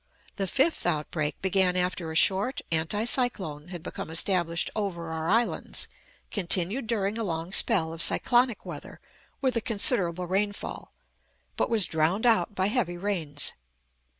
The fifth outbreak began after a short anti cyclone had become established over our islands, continued during a long spell of cyclonic weather with a considerable rainfall, but was drowned out by heavy rains.